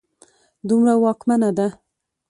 دومره واکمنه ده